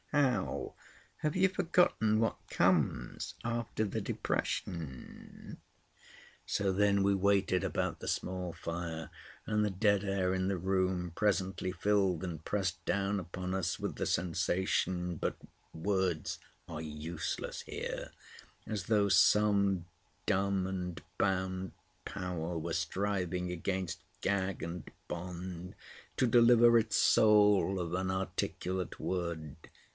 "How?" "Have you forgotten what comes after the depression?" So then we waited about the small fire, and the dead air in the room presently filled and pressed down upon us with the sensation (but words are useless here) as though some dumb and bound power were striving against gag and bond to deliver its soul of an articulate word.